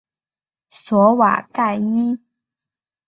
索瓦盖伊。